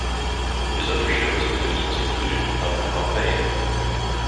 His other shows and films included Up Pompeii!